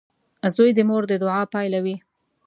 • زوی د مور د دعا پایله وي.